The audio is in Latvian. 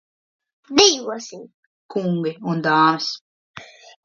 Dejosim, kungi un dāmas!